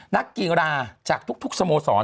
นักกีฬาจากทุกสโมสร